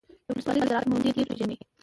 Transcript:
د ولسوالۍ د زراعت مدیر پیژنئ؟